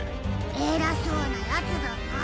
えらそうなヤツだな。